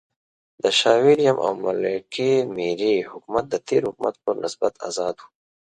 د شاه وېلیم او ملکې مېري حکومت د تېر حکومت پر نسبت آزاد و.